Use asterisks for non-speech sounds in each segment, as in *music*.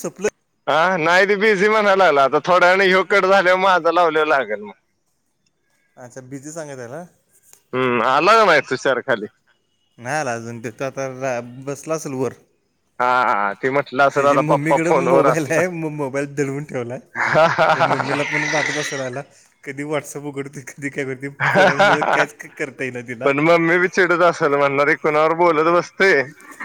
संपलं हा नाही ते बिझी म्हणायला लागला आता थोड्या हयो कट झाल्या वर माझा लावल्यावर लागेल मग अच्छा बिझी सांगत आहेना हम्म आला का नाही तुषार खाली. नाही आला अजून तिथं आणि बसला असेल वर हा हा ती म्हटलं असेल त्याची आता पप्पा मम्मीकडे फोनवर मोबाईल आहे असणार म मोबाईल दडवून ठेवलाय त्याच्या मम्मीला पण वाटत असत करायला कधी व्हॉट्सअप उघडत कधी काय करते पोरांमुळे कायच करता येई ना तिला पण मम्मी बी चिडत असल म्हणणार हे कुणाबरोबर बोलत बसतय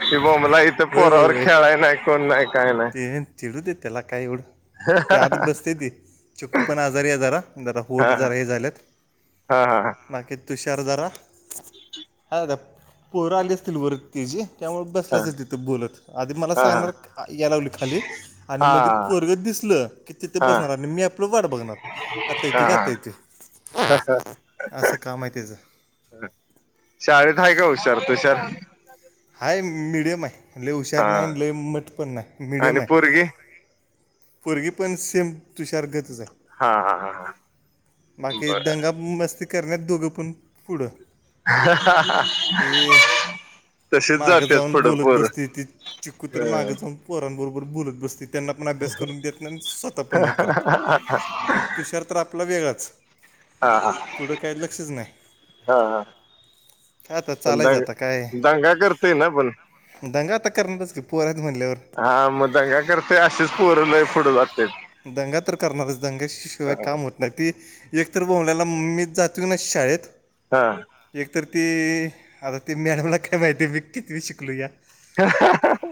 कि बोबलाय इथे वय वय पोरावर वय खेळाय नाही कोण नाही काय नाही ते चिडू दे त्याला काय एवढं ते आत बसते ती चक्कू पण आजारी आहे जरा जरा हा होट जरा हे झाल्यात. हा हा बाकी तुषारधरा हा दादा पोरं आली असतील वर त्याजी त्यामुळे हा बसलाच तिथं बोलत आधी मला हा हा सांगणार याय लावली खाली आणि हा मध्ये पोरगं दिसलं की तिथे हा बसणार आणि मी आपलं वाट बघणार. आत्ता येतोय काय आत्ता येतोय. हा हा. अस काम हाय तेझं शाळेत हाय काय हुशार तुषार हाय मिडियम आहे लय हुशार हा नाही लय मटपण नाही आणि मिीडियम आहे पोरगी पोरगीपण सेम तुषार गत ज आहे हा हा हा बाकी दंगा मस्ती करण्यात दोघं पण पुढं हा हं ते हं *inaudible* मागं जाऊन बोलत बसते ती चिकू तर हा मागं जाऊन पोरांबरोबर बोलत बसते. त्यांना पण अभ्यास करून देत नाही स्वतः पण नाही करत तुशार तर आपला वेगळाच हा हा पुढं काही लक्षच नाही हा. का आता पण चालायचं दंग आता काय दंगा करतय ना पण दंगा आता करणारच की पोर्यात म्हणल्यावर हा मग दंगा करतेय असेच पोरल पुढे जात्यात दंगा तर करणारच दंगाशिवाय काम होत मग ती एकतर बोबल्याला मीचं जातो ना शाळेत हा एक तरर ती आता ती मॅडमला काय माहिती आहे मी किती शिकलो या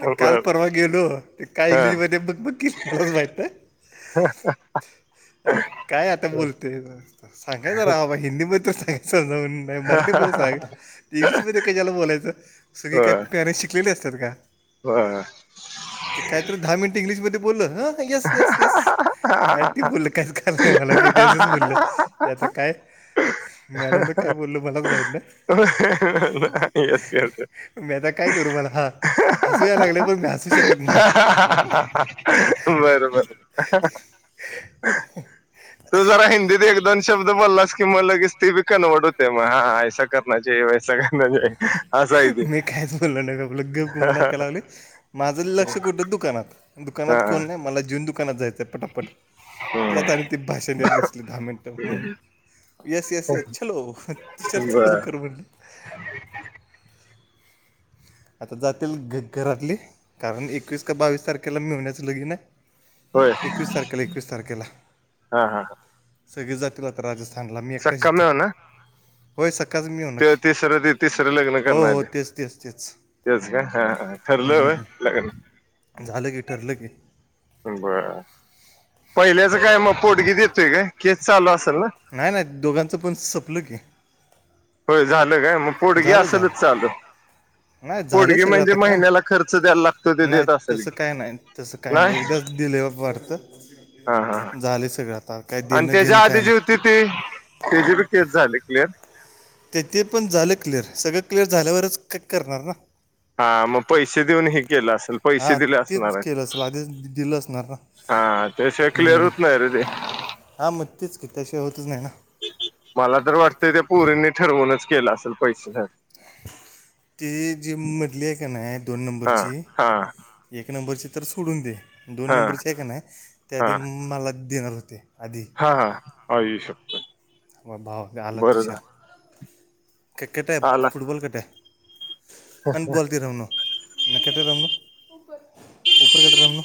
ते काल परवा गेलो ते काय ह इंग्लिजमध्ये बकबक केली मलाच माहित नाही हा ना ह अरे काय आता बोलतय सांगायचं जरा बा हिंदी मध्ये तर सांगायच समजावून नाही मराठीमध्ये सांग इंग्लिशमध्ये काही ज्याला बोलायचं सगळी काही पॅरेंट्स शिकलेले असतात का होय. ते काय तर दहा मिनिट इंग्लिशमध्ये बोललं तर येस येस तेस काय ते बोललं काहीच कळालं नाही मला म तेअसंच बोललं ते आता काय मॅडमनं काय बोललं मलाच माहीत नाही *unintelligible* मी आता काय करू मला हा हसू याय लागलय पण मी हसू शकत नाही. बरोबर *inaudible* तू जरा हिंदीत एक दोन शब्द बोललास कि म लगेस ते बी कनवर्ट होतंय मग हा हा ऐसा करना चाहिये वैसा करना चहिये. मी कायच बोललो नाही आपलं गप गुमान ऐकाय लागलोय. माझं लक्ष कुठं दुकानात हा दुकानात कोण नाही मला जेवून दुकानात जायचंय पटापट त्यात हम्म आणि ती भाषण देत बसली दहा मिनटं म्हनून येस यस यस चलो हा चलो बर लवकर म्हणल आता जातील घ घरातली कारण एकवीस का बावीस तारखेला मेवण्याचं लगीन आहे. होय एकवीस तारखेला एकवीस तारखेला हा हा सगळेच जातील आता राजस्थानला मी एकटाच सक्काम इथं हो ना होय सकाळच मी येऊ ते नक्की तिसरं ते तिसरं लग्न हो करणार ते हो तेच तेच तेच तेच का हा हा ठरलं होय लग्न हम्म झालं की ठरलं की बरं पहिल्याचं काय मग पोडगी देतोय काय केस चालू असल ना नाही नाही दोघांचं पण संपलं की होय झालं काय मग पोडगी झालं झालं असलच चालू नाही झालं पोडगी सगळं म्हणजे आता काय महिन्याला खर्च द्यायला लागतो ते नाही देत असेल तसं की काय नाही तसं काही नाही एकदाच दिलेवर हा हा वाटतं झाले सगळ्यात तर काय देणं घेनं काही नाही. ते.. त्याची बी केस झाली क्लिअर. तेथे पण झालं क्लिअर. सगळं क्लिअर झाल्यावरच काही करणार ना. हा.. म पैसे देऊन हे केलं आसल. पैशे दिले असणार. असधीच दिलं असणार ना. हा.. त्याशिवाय क्लिअर होत नाही रे ते. हां म तेच, कित्या शिवाय होतच नाही ना. मला तर वाटतंय ते पोरींनी ठरवूनच केलं असेल पैसे ती जी म्हटली आए का नाई दोन हा नंबरची हा एक नंबरची तर सोडून दे. दोन हा नंबरची आए का नाई ते आधी हा मला देणार होते. आधी हा हा. आई शप्पथ हो भावा आला तुषार. क्रिकेटे आला फुटबॉल कुटे? आणि बॉलती रमन न केटर रमन उपर केटर रमन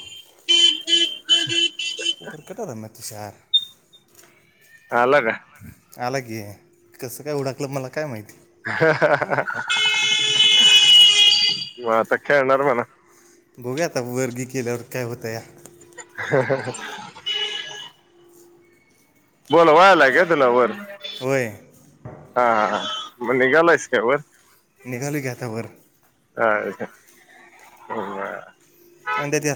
*inaudible* उपर कटाला मच शार आला का? आला की. कसं काय ओळकलं मला काय माहिती? हा हा हा हा... म आता खेळणार म्हणा. बघूया आता वरगी केल्यावर काय होतंया? ह ह ह बोलवा लागेल तुला वर होय. हा हा. म निघालाएस का वर? निघालोय की आता वर. काळ का आंडे द्या.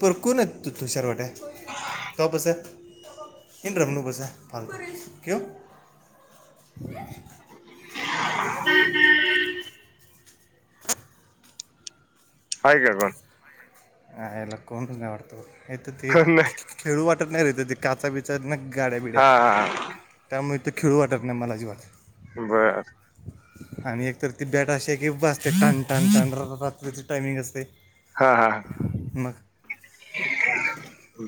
पर कोण येत त तूशार आहे टॉपस आहे किन रानपसा फलकू क हो हम् हम आहे का बा हा याला कोण नाही वाटतोथ ते कोण नाही खेळू वाटत नाही रे ते काचा बी अचानक गाड्या बिड्या हा हा त्यामुळे ते खेळू वाटत नाही मला अजीवात. बरं. आणि एकतर ती बॅट अशी ए की बासते ठाणठाणाण रात्रीची टायमिंग असते. हा हा. म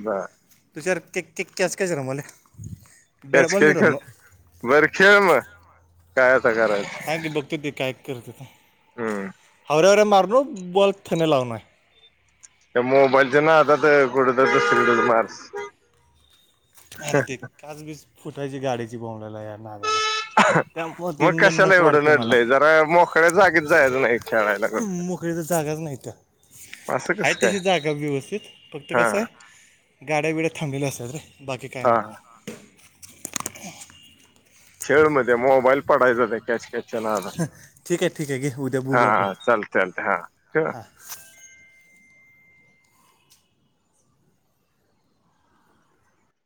ब तुषार किक किक क्याच कच रमले त्याच खेळ खेळ बर खेळ म. काय आता करायचं? हाय मी बघतो ते काय करतं. हम्म. हर घर मारनु बॉल थेने लाव नाय. त्या मोबाईलच्या नादात आता ते कठ सिंगल मार्स आरं ते काचबीज फुटायची गाडीची बोवलेला या नाला अ ह. म कशाला एवढं मला नडलंय. जरा मोकळ्या जागीच जायचं नाही खेळायला क हाय तशी जागा व्यवस्थित. फक्त हा कसं ए गाड्या बिड्या थांबलेल्या असतात. बाकी काय हा नाही. खेळमध्ये मोबाईल पडायचा ते कॅच कॅचच्या नादात. ठीक आहे ठीक आहे घे उद्या हा बोलू आपण चल. चत हा च हां